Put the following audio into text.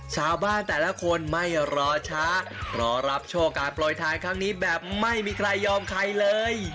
ชาวบ้านแต่ละคนไม่รอช้ารอรับโชคการปล่อยทานครั้งนี้แบบไม่มีใครยอมใครเลย